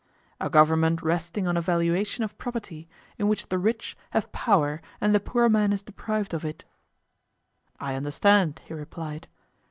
A government resting on a valuation of property, in which the rich have power and the poor man is deprived of it. I understand, he replied.